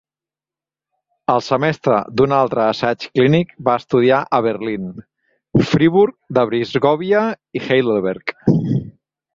El semestre d'un altre assaig clínic va estudiar a Berlín, Friburg de Brisgòvia i Heidelberg.